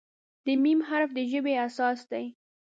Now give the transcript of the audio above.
د "م" حرف د ژبې اساس دی.